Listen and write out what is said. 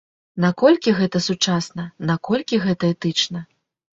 Наколькі гэта сучасна, наколькі гэта этычна?